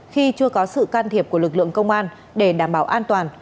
khi chưa có sự can thiệp của lực lượng công an để đảm bảo an toàn